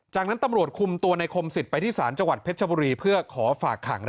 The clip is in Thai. จากนั้นตำรวจคุมตัวในคมสิทธิ์ไปที่ศาลจังหวัดเพชรชบุรีเพื่อขอฝากขัง